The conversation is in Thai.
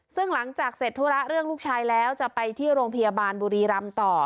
ซึ่งหลังจากเสร็จธุระเรื่องลูกชายแล้วจะไปที่โรงพยาบาลบุรีรำต่อ